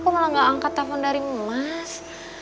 kok malah gak angkat telepon dari mas